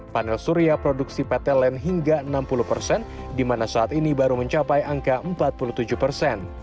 panel surya produksi pt line hingga enam puluh persen di mana saat ini baru mencapai angka empat puluh tujuh persen